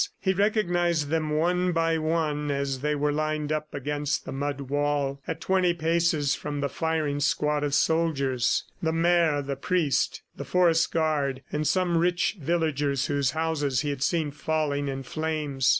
He recognized them one by one as they were lined up against the mud wall, at twenty paces from the firing squad of soldiers the mayor, the priest, the forest guard, and some rich villagers whose houses he had seen falling in flames.